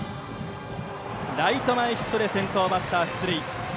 ライト前ヒットで先頭バッター、出塁。